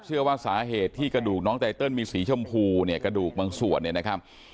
เชื่อว่าสาเหตุที่กระดูกน้องไตเติลมีสีชมพูเนี่ยกระดูกบางส่วนเนี่ยนะครับ